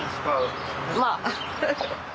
まあ。